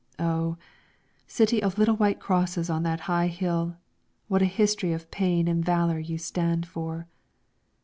Oh! city of little white crosses on that high hill, what a history of pain and valour you stand for!